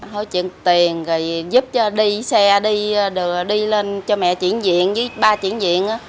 thôi chuyển tiền rồi giúp cho đi xe đi đi lên cho mẹ chuyển diện với ba chuyển diện